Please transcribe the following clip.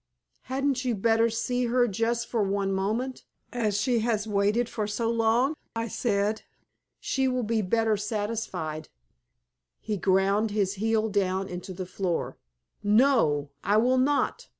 "Hadn't you better see her just for one moment, as she has waited for so long?" I said. "She will be better satisfied." He ground his heel down into the floor. "No! I will not!